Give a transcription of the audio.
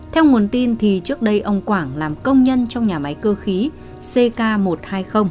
theo nguồn tin thì trước đây ông quảng làm công nhân trong nhà máy cơ khí ck một trăm hai mươi